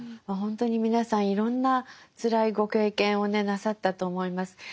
まあ本当に皆さんいろんなつらいご経験をねなさったと思います。